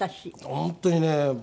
本当にね